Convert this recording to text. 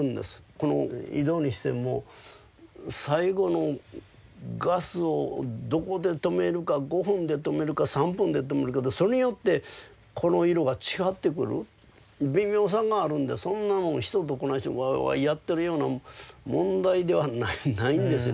この井戸にしても最後のガスをどこで止めるか５分で止めるか３分で止めるかでそれによってこの色が違ってくる微妙さがあるんでそんなもん人とこないしてワーワーやってるような問題ではないんですよね